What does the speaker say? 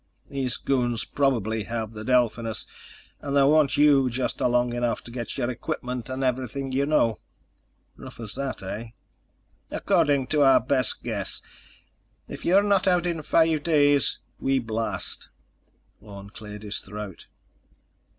These goons probably have the Delphinus, and they want you just long enough to get your equipment and everything you know." "Rough as that, eh?" "According to our best guess. If you're not out in five days, we blast." Orne cleared his throat.